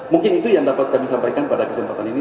mungkin itu yang dapat kami sampaikan pada kesempatan ini